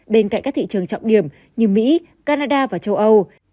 bên cạnh các thị trường trọng điểm như mỹ canada và châu âu